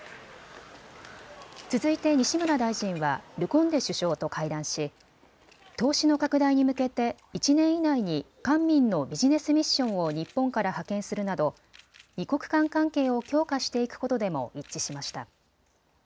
続いて西村大臣はルコンデ首相と会談し投資の拡大に向けて１年以内に官民のビジネスミッションを日本から派遣するなど２国間関係を強化していくことでも一致しました。